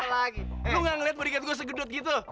lu gak ngeliat bodyguard gue segedut gitu